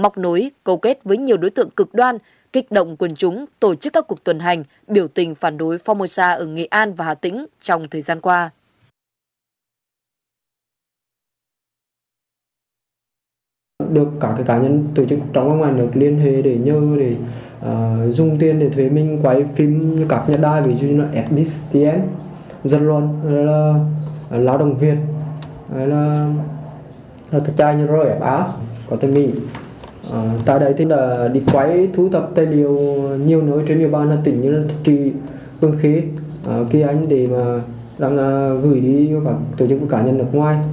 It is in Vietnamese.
tại điều nhiều nơi trên địa bàn là tỉnh như là thị trí phương khí kỳ ánh để mà đang gửi đi tổ chức của cả nhân lực ngoài